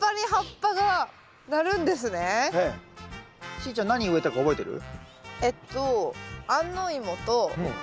しーちゃん何植えたか覚えてる？